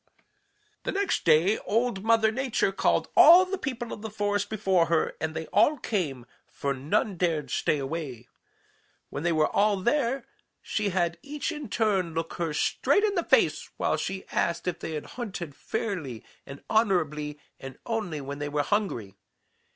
"The next day Old Mother Nature called all the people of the forest before her, and they all came, for none dared stay away. When they were all there, she had each in turn look her straight in the face while she asked if they had hunted fairly and honorably and only when they were hungry.